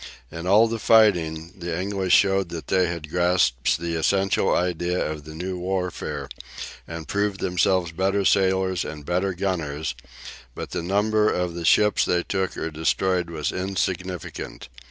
In all the fighting the English showed that they had grasped the essential ideas of the new warfare, and proved themselves better sailors and better gunners, but the number of the ships they took or destroyed was insignificant.